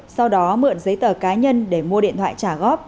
sau đó mượn giấy tờ cá nhân để mua điện thoại trả góp